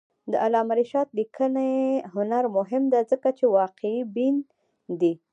د علامه رشاد لیکنی هنر مهم دی ځکه چې واقعبین دی.